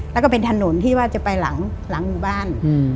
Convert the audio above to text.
แล้วก็เป็นถนนที่ว่าจะไปหลังหมู่บ้าน